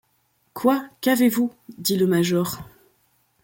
Quoi ? qu’avez-vous ? dit le major.